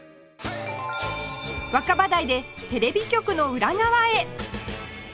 若葉台でテレビ局の裏側へ